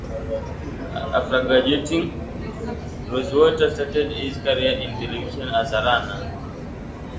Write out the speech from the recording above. After graduating, Rosewater started his career in television as a runner.